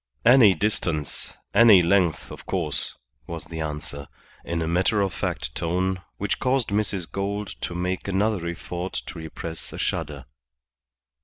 "Any distance, any length, of course," was the answer, in a matter of fact tone, which caused Mrs. Gould to make another effort to repress a shudder.